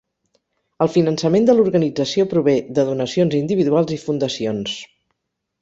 El finançament de l'organització prové de donacions individuals i fundacions.